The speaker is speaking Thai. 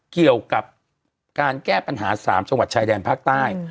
เกี่ยวกับการแก้ปัญหา๓จังหวัดชายแดนภาคใต้